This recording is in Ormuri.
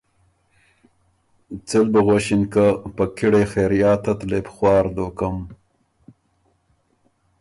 څۀ ل بُو غؤݭِن که ”په کِړئ خېریات ان لېپخوار دوکم“